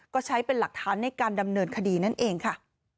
ก็ใช้เป็นหลักฐานในการดำเนินคดีนั่นเองค่ะ